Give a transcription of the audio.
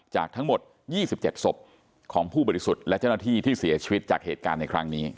จากทั้งหมด๒๗ศพของผู้บริสุทธิ์และเจ้าหน้าที่ที่เสียชีวิตจากเหตุการณ์ในครั้งนี้